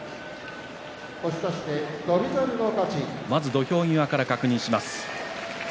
土俵際から確認します。